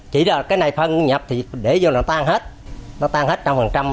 chỉ là cái này phân nhập thì để vô là tan hết nó tan hết trong phần trăm